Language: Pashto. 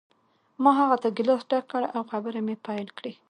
ما هغه ته ګیلاس ډک کړ او خبرې مې پیل کړې